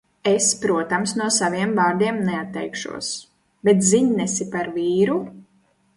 Es, protams, no saviem vārdiem neatteikšos, bet ziņnesi par vīru?